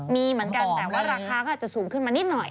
มีเหมือนกันแต่ว่าราคาก็อาจจะสูงขึ้นมานิดหน่อย